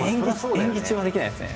演技中はできないですね